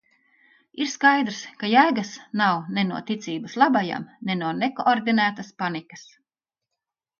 Ir skaidrs, ka jēgas nav ne no ticības labajam, ne no nekoordinētas panikas.